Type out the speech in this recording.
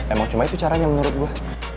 emang cuma itu caranya menurut gue